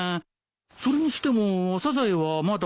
それにしてもサザエはまだ。